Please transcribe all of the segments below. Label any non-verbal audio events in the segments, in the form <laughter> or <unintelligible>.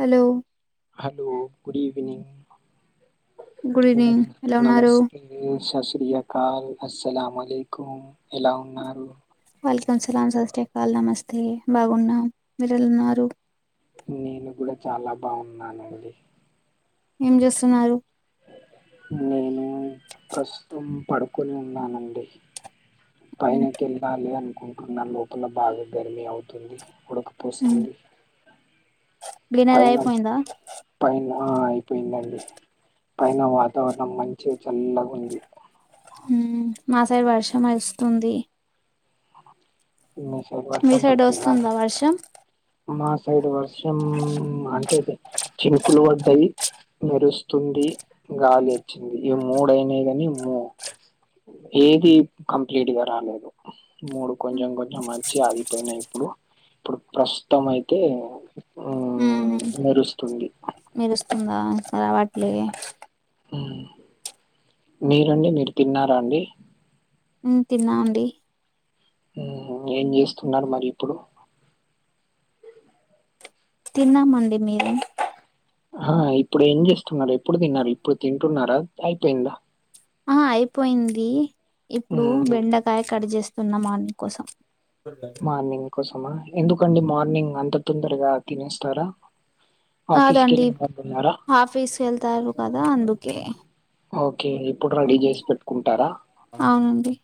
Hello hello good evening good evening ఎలా ఉన్నారు <unintelligible> స్రీ అకల్ అలాంాలకుం ఎలా ఉన్నారు <unintelligible> వల్కం సలాం సస్కాళ నమస్తే బాగున్నా మీరళ ఉన్నారు నేను కూడా చాలా బాగున్నానండి ఏం చేస్తున్నారు నేను ప్రస్తుతం పడుకొని ఉన్నానండి పైనకి వెళ్ళాలి అనుకుంటున్న లోపల బాగా గర్మి అవుతుంది ఉడకపోస్తుంది డిన్నర్ పైన అయిపోయిందా పైన అయిపోయిందండి పైన వాతావరణం మంచిగా చల్లగా ఉంది ఉం మా సైడ్ వర్షం వస్తుంది మనం ని సర <inaudible> మీ సైడ్ వస్తుందా వర్షం మాసైడు వర్షం అంటే చినుకులు పడ్డాయి మెరుస్తుంది గాలి వచ్చింది ఈ మూడయినా కాని మూ ఏది కంప్లీట్ గా రాలేదు మూడు కొంచెం కొంచెం వచి ఆగిపోయినాయి ఇప్పుడు ఇప్పుడు ప్రస్తుతం అయితే ఆ మెరుస్తుంది మెరుస్తుందా రావట్లే మీరండి మీరు తిన్నారా అండి ఉం తిన్నా అండి ఆహా ఏం చేస్తున్నారు మరి ఇప్పుడు తిన్నామండి మీరు ఆ ఇప్పుడు ఏం చేస్తున్నారు ఎప్పుడు తిన్నారు ఇప్పుడు తింటున్నారా అయిపోయిందా ఆ అయిపోయింది ఇప్పుడు మ్మ్ బెండ కాయ కడ్ చేస్తున్నమ్ అందు కోసం మార్నింగ్ కోసమా ఎందుకండి మార్నింగ్ అంత తొందరగా తినేస్తారా ఆఫీస్ కన్నారా <unintelligible> ఆఫీసు వెళ్తారు కదా అందుకే ఓకే ఇప్పుడు రెడీ చేసి పెట్టుకుంటారా అవునండి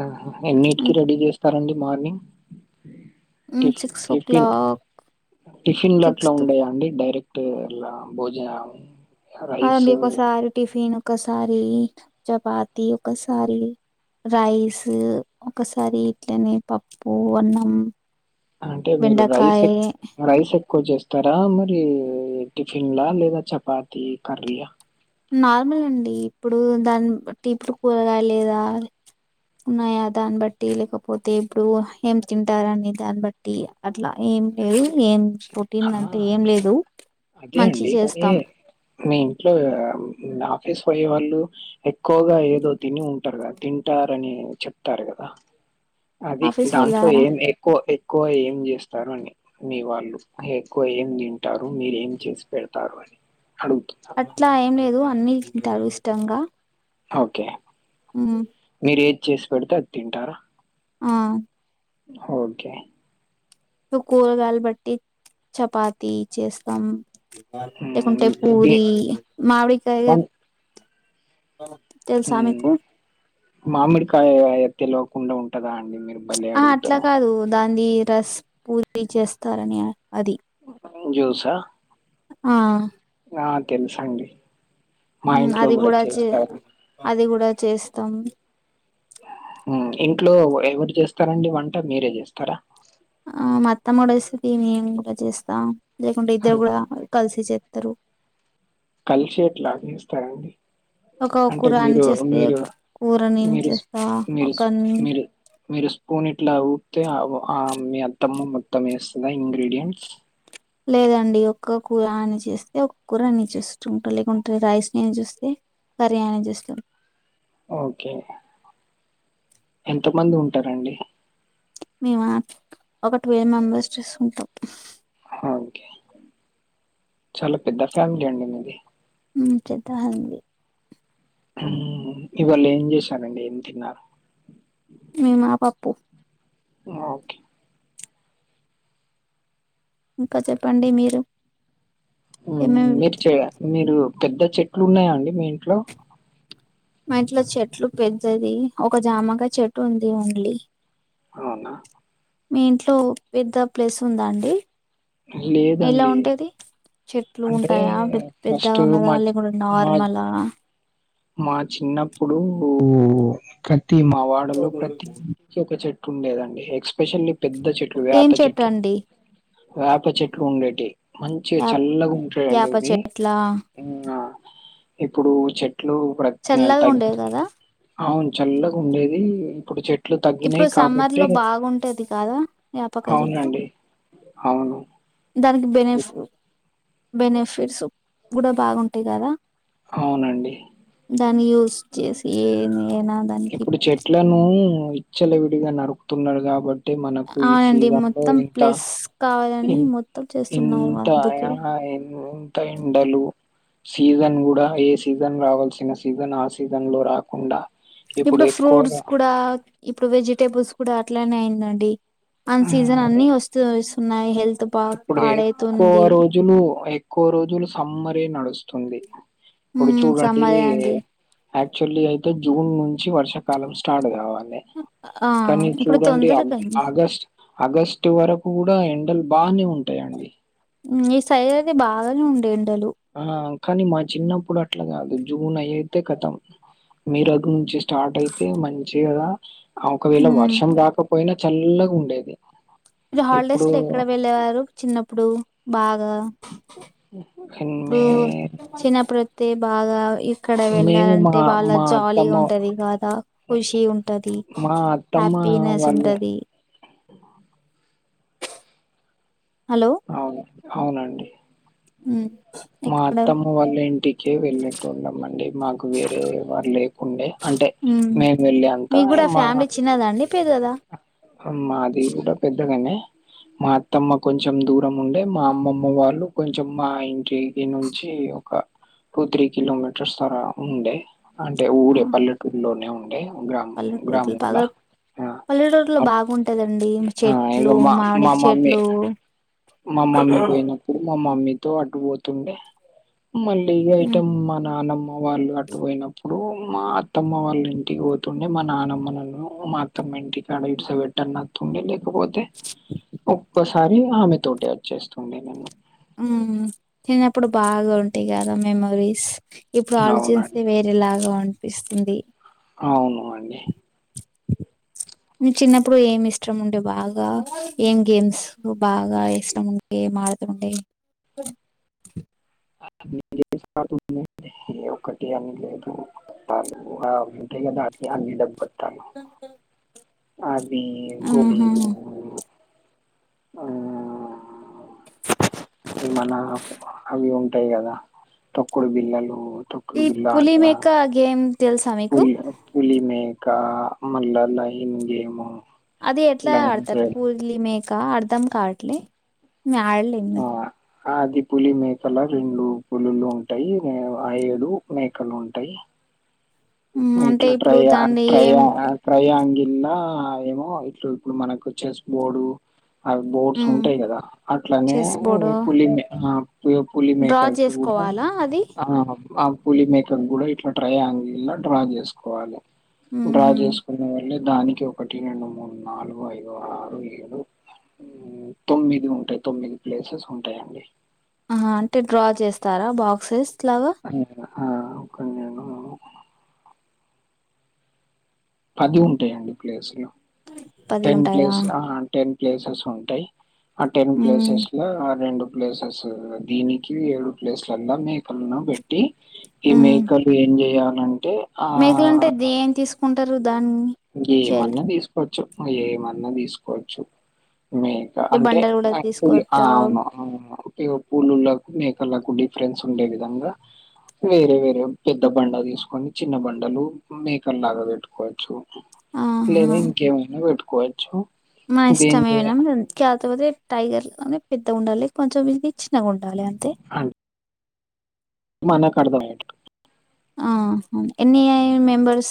ఆహా ఎన్నిటికి రెడీ చేస్తారండి మార్నింగ్ మ్మ్ టిఫ సిక్స్ ఓ టిఫిన్ క్లాక్ టిఫిన్ లో అట్ల సిక్స్త్ ఉండయా అండి డైరెక్ట్ అలా భోజన హ డి ఒకసారి టిఫిన్ ఒకసారి చపాతి ఒకసారి రైస్ ఒకసారి ఇట్లని పప్పు అన్నం అంటే మీరు రైస్ బెండకాయ ఎక్ రైస్ ఎక్కువ చేస్త చేస్తారా మరి టిఫిన్ లా లేదా చపాతి కర్రీలా నార్మల్ అండి ఇప్పుడు దాని టీపు కూరగా లేదా ఉన్నాయా దాన్ని బట్టి లేకపోతే ఇప్పుడు ఏం తింటారనె దాన్ని బట్టి ది అట్లా ఏం లేదు ఏం ప టిన్ ఆ అంటే ఏం అదే లేదు అదే మంచి అండి. కానీ చేస్తాం మీ ఇంట్లో నా ఆఫీస్ పోయే వాళ్ళు ఎక్కువగా ఏదో తిని ఉంటారు కదా తింటారని చెప్తారు కదా అది ఆఫీస్ దాంట్లో వెళ్ళారా ఏం ఎక్కువ ఎక్కువ ఏం చేస్తారు అని మీ వాళ్ళు ఎక్కువ ఏం తింటారు మీరు ఏం చేసి పెడతారు అని అడుగుతు అట్లా ఏం లేదు అన్ని తింటారు ఇష్టంగా ఓకే మ్మ్ మీరు ఏది చేసి పెడితే అది తింటారా ఆ ఓకే కూరగాయలు బట్టి చపాతి చేస్తాం లేకుంటే హ్మ్. ది పూరి మావడికాయ వన్ తెలుసా హ్మ్. మీకు మామిడికాయ తెలవకుండా ఉంటదా అండి మీరు భలే ఆ అట్లా అడుగుతారు. కాదు దాన్ని రస్ పూర్దీ చేస్తారని అది జ్యూసా ఆ ఆ తెలుసు అండి ఊ అది కూడా చే అది కూడా చేస్తాం హుక్ ఇంట్లో ఎవరు చేస్తారండి వంట మీరే చేస్తారా ఆ మత్తంమడేస్తది మేం కూడా చేస్తా లేకుంటే ఇద్దరు ఓకే. కూడా కలిసి చేస్తారు కలిసి ఎట్లా అనిస్తారండి ఒక అంటే కూర అని మీరు చేస్తే మీరు కూర నేను మీరు చేస్తా మీరు ఒక మీరు మీరు స్పూన్ ఇట్లా ఊపితే మీ అత్తమ్మ మొత్తం వేస్తుందా ఇంగ్రీడియంట్స్ లేదండి ఒక్క కూర అని చేస్తే ఒక్క కూర నె చెస్తుంటా లేకుంటే రైస్ నేను చేస్తే కర్రీ ఆయన చేస్తారు ఓకే ఎంత మంది ఉంటారండి మేమ ఒక ట్వుల్వ్ మెంబర్స్ చేసుకుంటాం ఓకేచాలా పెద్ద ఫ్యామిలీ అండి మీది హుక్ చెద్దాంది హుక్ ఇవాళ ఏం చేశానండి ఏం తిన్నారు మేమా పప్పు ఓకే ఇంకా చెప్పండి మీరు ఉ ఏమేమి మీరు చె మీరు పెద్ద చెట్లు ఉన్నాయా అండి మీ ఇంట్లో మా ఇంట్లో చెట్లు పెద్దది ఒక జామకా చెట్టు ఉంది ఓన్లీ అవునా మీ ఇంట్లో పెద్ద ప్లేస్ ఉందా అండి ఎలా లేదండి ఉంటది చెట్లు అంటే ఉంటాయా పెద్ద పెద్దగా ఫస్ట్ ఉన్నదా మచి లేకుంటే మ నార్మలా మా చిన్నప్పుడు ప్రతి మా వాడలో ప్రతి ఒక చెట్టు ఉండేదండి ఎక్స్పెషల్లీ పెద్ద చెట్లు ఏం వేప చెట్టు చెట్లు అండి వేప చెట్లు ఉండేటివి మంచిగా యా చల్లగా ఉంటాయండి యాప అవి చెట్లా ఉమ్ ఇప్పుడు చెట్లు ప్ర చల్లగా తగ్గి ఉండేది కదా అవును చల్లగా ఉండేది ఇప్పుడు చెట్ ఇప్పుడు సమ్మర్ లో బాగుంటేది కాదా వేపకయ చెట్లు అవునండి అవును దానికి బెనిఫ బెనిఫిట్స్ కూడా బాగుంటాయి కదా అవునండి దాన్ని యూస్ చేసి ఏమి ఏనా దానికి ఇప్పుడు చెట్లనూ విచ్చలవిడిగా నరుకుతున్నారు కాబ టే మనకు ఈ అవునండి సీజన్ లో మొత్తం ఇంత ప్లస్ కావాలని ఇన్ మొత్తం చేస్తున్నారు ఇంతా అందుకే ఇంత ఎండలు సీజన్ గుడా ఏ సీజన్ రావాల్సిన సీజన్ ఆ సీజన్లో రాకుండా ఇప్పుడు ఫ్రూట్స్ కూడా ఇప్పుడు వెజిటేబుల్స్ కూడా అట్లానే అయిందండి అన్ ఆ సీజన్ అన్నీ వస్తూ వసున్నాయి హెల్త్ త బాగ్ ఇప్పుడు ఎక్కువ పాడైతుంది రోజులు ఎక్కువ రోజులు సమ్మరే నడుస్తుంది ఇప్పుడు ఉమ్, చూడండీ సమ్మర్ అండి యాక్చువల్లీ అయితే జూన్ నుంచి వర్షాకాలం స్టార్డ్ కావాలే ఆ కానీ ఇప్పుడు చూడండి అగ్ తొందరగా అండి ఆగస్ట్ ఆగస్టు వరకు గూడా ఎండలు బానే ఉంటాయండి ఈ సైడ్ ఐతే బాగానే ఉండే ఎండలు ఆ కానీ మా చిన్నప్పుడు అట్ల కాదు జూన్ అయయితే కతం మే <inaudible> నుంచి స్టార్ట్ అయితే మంచి గదా ఒకవేళ ఉమ్, వర్షం రాకపోయినా చల్లగ ఉండేది మీరు హాల్డేస్ లో ఎక్కడ వెళ్ళేవారు చిన్నప్పుడు బాగా హన్ మే చిన్నప్పుడుతి బాగా ఇ క్కడ మేము మా వెళ్ళాలంటే బాగా మా అత్తమ్మ జాలీగా ఉంటది గాదా ఖుషీ ఉంటది మా అత్తమ్మ హ్యాపీనెస్ వాళ్ళు ఉంటది హలో అవును అవునండి ఉమ్ మా ఎక్కడ అత్తమ్మ వాళ్ళ ఇంటికే వెళ్ళెటోల్లం అండి మాకు వేరే ఎవరు లేకుండే అంటె ఉమ్, మేం వెళ్ళేంత మీకు కూడా మ ఫ్యామిలీ చిన్నదా అండి పెదదా అ మాది గూడా పెద్దగనే మా అత్తమ్మ కొంచెం దూరం ఉండే మా అమ్మమ్మ వాళ్ళు కొంచెం మా ఇంటి నుంచి ఒక టూ త్రీ కిలోమీటర్స్ అలా ఉండే అంటే ఊరే పల్లెటూరులోనే ఉండే గ్రామం పల్లెటూరు బాగా పల్లెటూరులో అప్ బాగుంటదండీ ఆ ఇగ చెట్లూ, మా మామిడి మా మమ్మీ చెట్లూ మా మమ్మీ పోయినప్పుడు మా మమ్మీతో అటు పోతుండే మళ్ళీ ఉమ్, వైటం మా నానమ్మ వాళ్ళు అ టు పోయినప్పుడు మా అత్తమ్మ వాళ్ళ ఇంటికి పోతుండే మా నానమ్మ నన్ను మా త్తమ్మ ఇంటికాడ ఇడ్సబెట్టన్నా ఒత్తుండే లేకపోతే ఒక్కోసారి ఆమె తోటి అచ్చేస్తుం మేమన్న ఊమ్ చిన్నప్పుడు బాగా ఉంటాయి కదా మెమోరీస్ ఇప్పుడు అవునండి ఆలోచిస్తే వే ఎలాగో అనిపిస్తుంది అవును అండి మి చిన్నప్పుడు ఏమి ఇష్టం ఉండే బాగా ఏం గేమ్స్ బాగా ఇష్టం ఉన్ గేం ఆడుతుండే <inaudible> ఏ ఒక్కటి అని లేదూ <unintelligible> ఆ ఉంటాయి కదా అట్లే అన్ని <unintelligible> అవీ ఆహా గోలీలు ఆ ఇవి మన అవి ఉంటాయి గదా తొక్కుడు బిల్లలు తొ ఈ పులి మేకా గేమ్ తెలుసా మీకు పులి పులి మేకా మళ్ళా లయన్ గేము అది ఎట్ల ఆడతారు పూరలి మేక అర్ధం కావట్లే మే ఆడలే ఆ అది పులి మేకల రెండు పులులు ఉంటాయి మే ఆ ఏడు మేకలు ఉంటాయి మ్మ్, మీ అంటే ఇట్లో ఇప్పుడు ట్రై యా అన్ దాన్ని ట్రై ఏం యా అన్ ట్రైయాంగిల్ ల ఏమో ఇట్లు ఇప్పుడు మనకు చెస్ బోర్డు అవి బోర్డ్స్ మ్మ్, ఉంటాయి కదా అట్లనే చెస్ బోర్డు ఇ పులి మే ఆ పు పులి డ్రా మేకకి కూడా చేసుకోవాలా అది ఆ అబ్ పులి మేకకి కూడా ఇట్ల ట్రైయాంగిల్ లా డ్రా చేసుకోవాలె డ్రా మ్మ్హ. చేసుకో కున్న వాళ్ళే దానికి ఒకటి రెండు మూడు నాలుగు ఐదు ఆరు ఏడు ఊమ్ తొమ్మిది ఉంటాయి తొమ్మిది ప్లేసెస్ ఉంటాయండి ఆ అంటే డ్రా చేస్తారా బాక్సెస్ లాగా ఆ ఒకటి రెండు మూడు పది వుంటాయండి ప్లేస్ లు పది టెన్ ఉంటాయా ప్లేస్ ఆ టెన్ ప్లేసెస్ ఉంటాయి ఆ టెన్ మ్మ్, ప్లేసెస్ ల రెండు ప్లేసెస్ దీనికి ఏడు ప్లేస్లలల్ల మేకలను పెట్ ట్టి ఈ మ్మ్. మేకలు ఏం జేయాలంటే మేకలంటే ఆహ్, దేన్ తీసుకుంటరు దాన్ని చేయాల ఏమన్నా తీసుకోవచ్చు ఏమన్నా తీసుకోవచ్చు మేకా అంటే బండలు కూడా <inaudible> ఆ తీసుకోవచ్చా అవును ఆ అంటే పులులకు మేకలకు డిఫరెన్స్ ఉండే విధంగా వేరే వేరే పెద్ద బండ తీసుకొని చిన్న బండలు మేకల్లాగా పెట్టుకోవచ్చు లేదా ఆహా ఇంకేమైనా పెట్టుకోవచ్చు మన ఇష్టమేనా <unintelligible> టైగర్ లోనే పెద్దగుండాలి కొంచెం ఇది చిన్నగుండాలి అంతే అన్ మనక్ అర్థం అయ్యేట్టు ఆ ఎన్ని అయి మెంబర్స్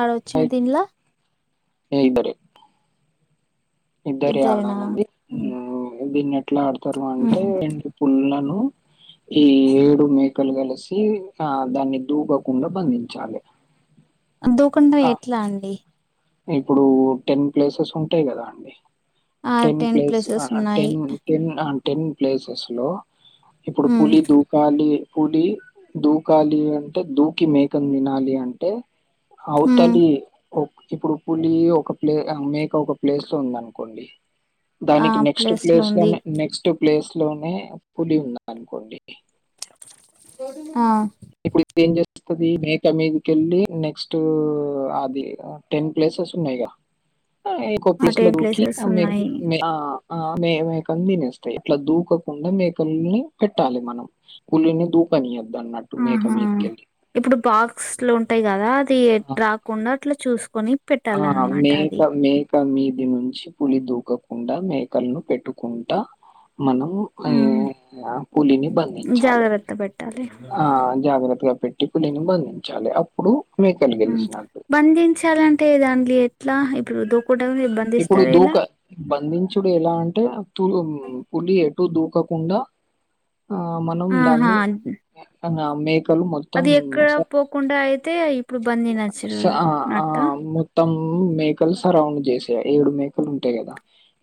ఆడొచ్చిన దీనిలో ఆ ఇద్దరే ఇద్దరే ఇద్దరేనా ఆడాలండి ఉమ్. దీన్ని ఎట్లా ఆడతారు అంటే ఉమ్. పులులను ఈ ఏడు మేకలు కలిసి ఆ దాన్ని దూబకుండా బంధించాలి అదొకుండ ఆ ఎట్లా అండి ఇప్పుడు టెన్ ప్లేసెస్ ఉంటాయి కదా అండి ఆ టెన్ ప్లేస్ ఆ ప్లేసెస్ ఉన్నాయి టెన్ టెన్ ఆ టెన్ ప్లేసెస్‌లో ఇప్పుడు ఉమ్ పులి దూ కాలి పులి దూకాలి అంటే దూకి మేకని తినాలి అంటే ఉమ్ అవుతాలి ఇప్పుడు పులి ఒక ప్లే మేక ఒక ప్లేస్‌లో ఉందనుకోండి ఆ దానికి నెక్స్ట్ ప్లేస్ లో ఉంది ప్లేస్‌లోనే నెక్స్ట్ ప్లేస్‌లోనే పులి ఉంది అనుకోండి ఆ ఇప్పుడు ఇదేం చేస్తాది మేక మీదికెళ్ళి నెక్స్ట్ అది టెన్ ప్లేసెస్ ఉన్నాయిగా ఇంకో ఆ ప్లేస్లో టెన్ దూకి ప్లేసెస్ మే ఉన్నాయి మే ఆ ఆ మే మేకని తినేస్తాయి ఇట్లా దూకకుండా మేకల్ని పెట్టాలి మనం పులిని దుకానియద్దు అన్న ఆహా ఇప్పుడు బాక్స్లు ఉంటాయి కదా అది రాకుండ అట్లా చూసుకొని ఆ పెట్టాలన్నమాట మేక అది మే క మీది నుంచి పులి దూకకుండా మేకలను పెట్టుకుంటా మనం ఉమ్ ఆ పులిని బంధించాలి జాగ్రత్త పెట్టాలి ఆ జాగ్రత్తగా పె ట్టి పులిని బంధించాలి అప్పుడు మేకలు ఆ గెలిచినట్టు. బంధించాలంటే దానిలో ఎట్లా ఇప్పుడు దూకడమే బం ఇప్పుడు దూక బంధించుడు ఎలా అంటే పులి ఎటు దూకకుండా ఆ మనం ఆహా దాన్ని మన మేకలు మొ అది ఎక్కడ పోకుండా అయితే ఇప్పుడు బందనచురు అనట్ట త్తం మేకలు సరౌండ్ చేసే ఏడు మేకలు ఉంటాయి కదా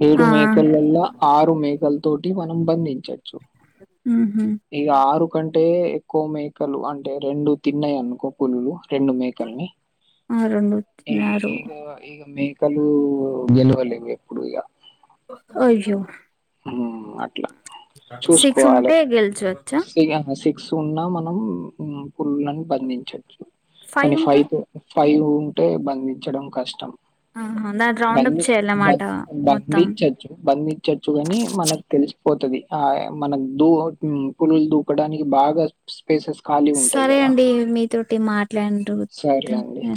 ఏడు ఆ మేకలలా ఆరు మేకల తోటి మనం బంధించచ్చు మ్మ్ఉహ్మ్ ఇగ ఆరు కంటే ఎక్కువ మేకలు అంటే రెండు తిన్నాయి అనుకో పులులు రెండు మే కల్ని ఆ రెండు తిన్నారు ఆ ఇగ మే క్కలు గెలువలేవు ఎప్పుడు ఇగ అయ్యో మ్ అట్లా సిక్స్ ఉంటే గెలుసొచ్చా ఇగ సిక్స్ ఉన్నా మనం పులులను బంధించొచ్చు కానీ ఫైవ్ ఫైవ్ ఉంటే బంధించడం కష్టం ఆహా దాని రౌండ్ అప్ బంది బం చేయాలన్నమాట మొత్తం బంధించచ్చు బంధించ చ్చు అని మనకు తెలిసిపోతది ఆ మన దూ పులులు దూకడానికి బాగా స్పేసెస్ ఖాళీ ఉంటాయి సరే కదా అండి మీతోటి సరే అండి మాట్లాడరు